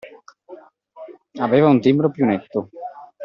Aveva un timbro più netto